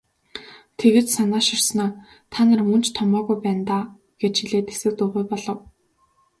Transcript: Тэгж санааширснаа "Та нар мөн ч томоогүй байна даа" гэж хэлээд хэсэг дуугүй болов.